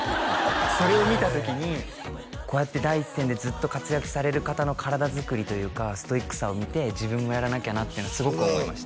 それを見た時にこうやって第一線でずっと活躍される方の体づくりというかストイックさを見て自分もやらなきゃなっていうのはすごく思いました